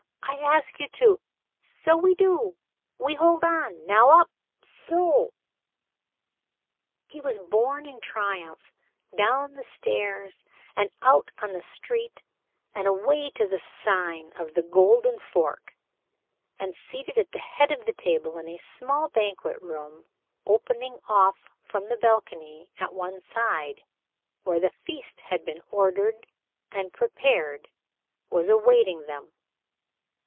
I ask you to " "So we do. We hold on. Now, up so." He was borne in triumph down the stairs and out on the street and away to the sign of the Golden Fork, and seated at the head of the table in a small banquet room opening off from the balcony at one side where the feast which had been ordered and prepared was awaiting them.